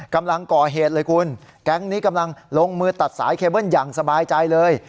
กำลังก่อเหตุเลยคุณแก๊งนี้กำลังลงมือตัดสายเคเบิ้ลอย่างสบายใจเลย